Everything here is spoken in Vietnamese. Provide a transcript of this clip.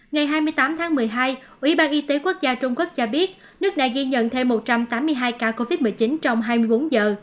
ngày hai mươi tám tháng một mươi hai ủy ban y tế quốc gia trung quốc cho biết nước này ghi nhận thêm một trăm tám mươi hai ca covid một mươi chín trong hai mươi bốn giờ